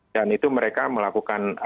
dan itu mereka melakukan